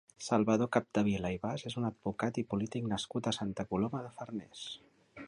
Salvador Capdevila i Bas és un advocat i polític nascut a Santa Coloma de Farners.